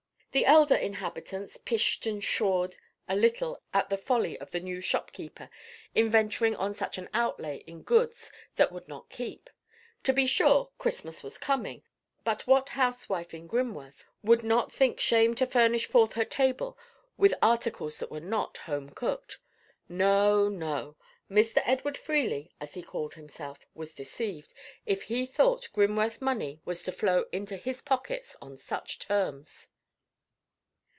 The elder inhabitants pished and pshawed a little at the folly of the new shopkeeper in venturing on such an outlay in goods that would not keep; to be sure, Christmas was coming, but what housewife in Grimworth would not think shame to furnish forth her table with articles that were not home cooked? No, no. Mr. Edward Freely, as he called himself, was deceived, if he thought Grimworth money was to flow into his pockets on such terms.